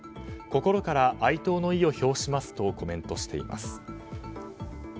心から哀悼の意を表しますとコメントしています。